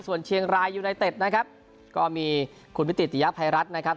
ส่วนเชียงรายยูไนเต็ดนะครับก็มีคุณวิติยภัยรัฐนะครับ